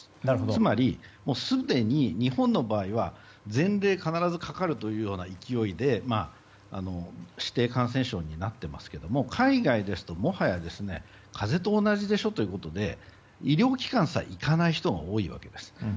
つまり、すでに日本の場合は必ずかかるという勢いで指定感染症になっていますが海外だともはや風邪と同じでしょということで医療機関さえ行かない人が多いわけです。